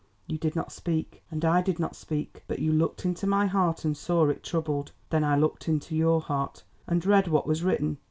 You did not speak, and I did not speak, but you looked into my heart and saw its trouble. Then I looked into your heart, and read what was written.